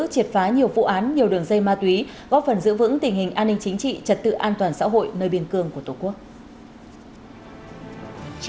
triệt phá nhiều vụ án nhiều đường dây ma túy góp phần giữ vững tình hình an ninh chính trị trật tự an toàn xã hội nơi biên cường của tổ quốc